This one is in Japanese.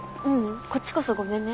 こっちこそごめんね。